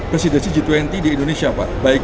presidensi g dua puluh di indonesia pak